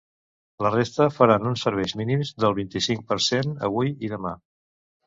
La resta faran uns serves mínims del vint-i-cinc per cent avui i demà.